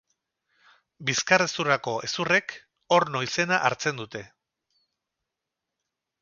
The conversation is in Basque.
Bizkarrezurreko hezurrek orno izena hartzen dute.